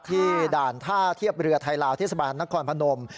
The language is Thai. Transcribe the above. ด่านท่าเทียบเรือไทยลาวเทศบาลนครพนม